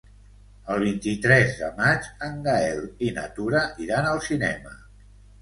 El vint-i-tres de maig en Gaël i na Tura iran al cinema.